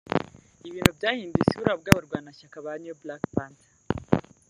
Ibintu byahinduye isura ubwo abarwanashyaka ba New Black Panther